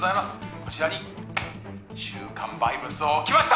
こちらに週刊バイブスを置きました！